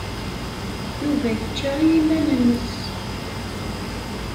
Yuba yečča i yiman-nnes.